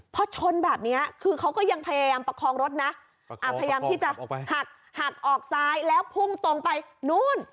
พอชนแบบนี้คือเขาก็ยังพยายามประคองรถนะพยายามที่จะหักหักออกซ้ายแล้วพุ่งตรงไปนู้น